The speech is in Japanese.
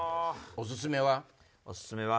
オススメは？